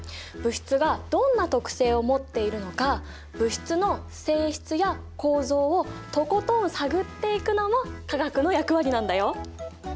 物質がどんな特性を持っているのか物質の性質や構造をとことん探っていくのも化学の役割なんだよ。